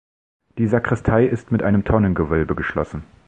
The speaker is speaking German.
Die Sakristei ist mit einem Tonnengewölbe geschlossen.